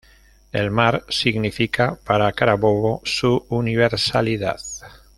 El mar significa para Carabobo su universalidad.